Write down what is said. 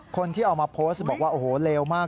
คนที่เอามาโพสต์บอกว่าโอ้โหเลวมาก